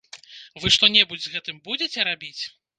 Вы што-небудзь з гэтым будзеце рабіць?